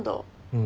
うん。